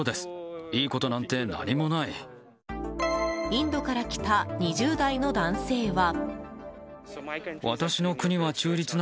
インドから来た２０代の男性は。